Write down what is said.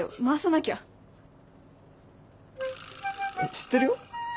知ってるよ。